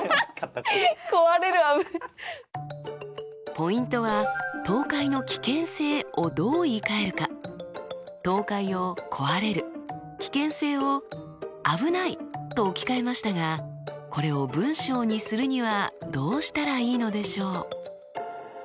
ポイントは「倒壊の危険性」をどう言いかえるか。と置き換えましたがこれを文章にするにはどうしたらいいのでしょう？